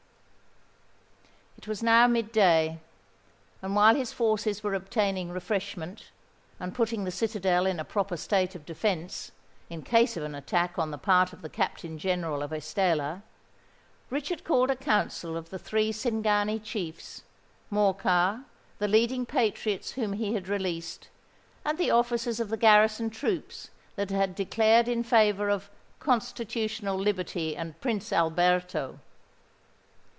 It was now mid day; and while his forces were obtaining refreshment, and putting the citadel in a proper state of defence, in case of an attack on the part of the Captain General of Estella, Richard called a council of the three Cingani chiefs, Morcar, the leading patriots whom he had released, and the officers of the garrison troops that had declared in favour of "Constitutional liberty and Prince Alberto."